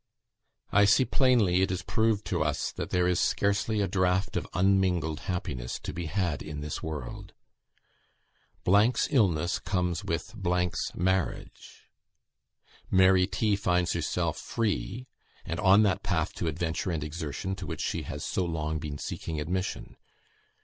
"I see plainly it is proved to us that there is scarcely a draught of unmingled happiness to be had in this world. 's illness comes with 's marriage. Mary T. finds herself free, and on that path to adventure and exertion to which she has so long been seeking admission.